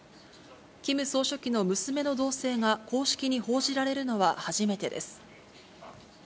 キム総書記の娘の動静が公式に報じられるのは初めてです。